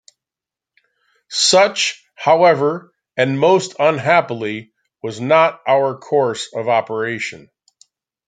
Such, however, and most unhappily, was not our course of operation.